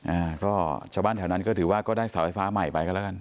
อ่าก็ชาวบ้านแถวนั้นก็ถือว่าก็ได้เสาไฟฟ้าใหม่ไปกันแล้วกัน